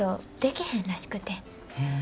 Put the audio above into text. へえ。